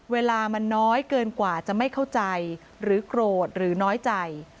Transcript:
เวลามันน้อยเกินกว่าจะไม่เข้าใจหรือโกรธหรือน้อยใจ